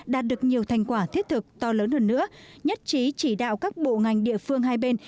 đạt được nhiều thành quả thiết thực to lớn hơn nữa nhất trí chỉ đạo các bộ ngành địa phương hai bên